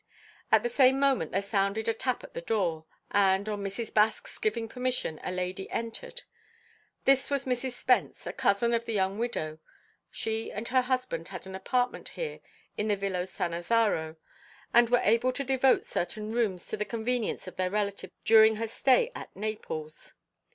At the same moment there sounded a tap at the door, and, on Mrs. Baske's giving permission, a lady entered. This was Mrs. Spence, a cousin of the young widow; she and her husband had an apartment here in the Villa Sannazaro, and were able to devote certain rooms to the convenience of their relative during her stay at Naples.